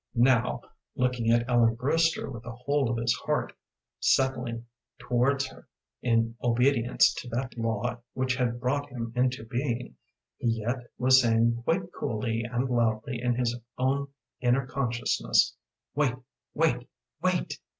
Now, looking at Ellen Brewster with the whole of his heart setting towards her in obedience to that law which had brought him into being, he yet was saying quite coolly and loudly in his own inner consciousness, "Wait, wait, wait!